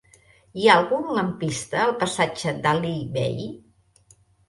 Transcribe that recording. Hi ha algun lampista al passatge d'Alí Bei?